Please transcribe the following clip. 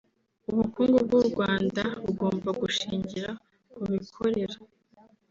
“Ubukungu bw’u Rwanda bugomba gushingira ku bikorera